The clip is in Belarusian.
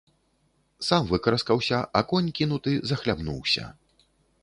Сам выкараскаўся, а конь, кінуты, захлябнуўся.